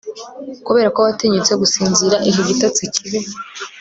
Kuberako watinyutse gusinzira iki gitotsi kibi